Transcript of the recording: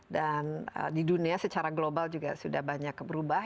dan di dunia secara global juga sudah banyak berubah